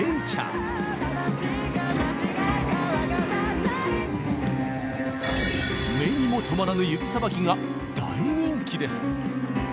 目にもとまらぬ指さばきが大人気です。